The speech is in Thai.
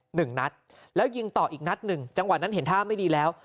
หนึ่งนัดแล้วยิงต่ออีกนัดหนึ่งจังหวะนั้นเห็นท่าไม่ดีแล้ว